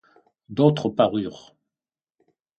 D'autres parurent.